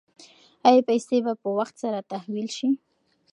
ایا پیسې به په وخت سره تحویل شي؟